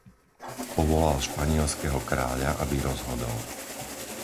Povolal španielskeho kráľa, aby rozhodol.